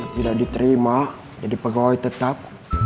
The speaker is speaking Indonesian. tidak diterima jadi pegawai tetap